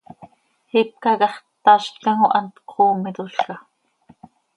Ipca quih hax ttazlcam oo, hant cöxoometolca.